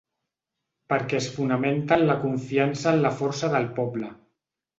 Perquè es fonamenta en la confiança en la força del poble.